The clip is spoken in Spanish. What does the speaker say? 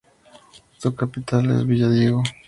Su capital es Villadiego.